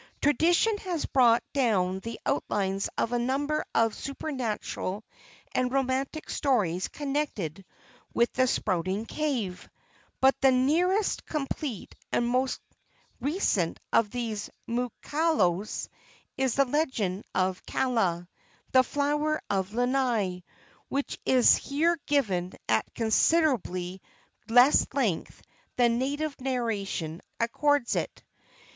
Tradition has brought down the outlines of a number of supernatural and romantic stories connected with the Spouting Cave, but the nearest complete and most recent of these mookaaos is the legend of Kaala, the flower of Lanai, which is here given at considerably less length than native narration accords it.